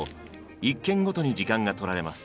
１軒ごとに時間がとられます。